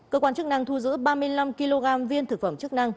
cơ quan chức năng thu giữ ba mươi năm kg viên thực phẩm chức năng